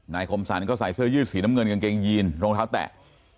คมสรรก็ใส่เสื้อยืดสีน้ำเงินกางเกงยีนรองเท้าแตะ